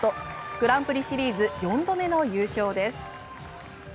グランプリシリーズ４度目の優勝です。